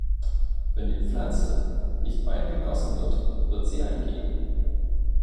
Wenn die Pflanze nicht bald gegossen wird, wird sie eingehen.